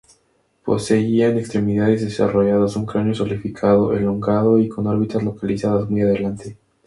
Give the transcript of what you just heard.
Poseían extremidades desarrolladas, un cráneo solidificado, elongado y con órbitas localizadas muy adelante.